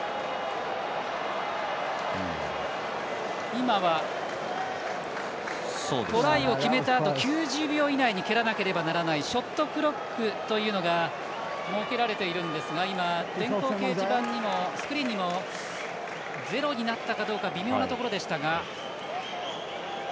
今は、トライを決めたあと９０秒以内に蹴らなければいけないショットクロックというのが設けられているんですがスクリーンにも、０になったか微妙なところでしたが。